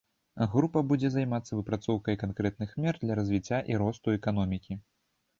Група будзе займацца выпрацоўкай канкрэтных мер для развіцця і росту эканомікі.